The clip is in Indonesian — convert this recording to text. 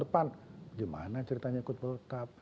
di depan depan gimana ceritanya ikut world cup